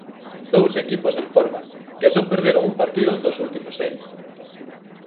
Dous equipos en forma, que só perderon un partido dos últimos seis.